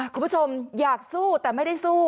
คุณผู้ชมอยากสู้แต่ไม่ได้สู้